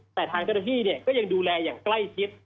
แต่ทางเจ้าหน้าที่ก็ยังดูแลอย่างใกล้ชิด